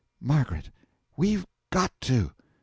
Margaret we've got to.